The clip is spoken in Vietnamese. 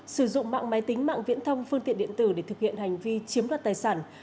sử dụng mạng máy tính mạng viễn thông phương tiện điện tử để thực hiện hành vi chiếm đoạt tài sản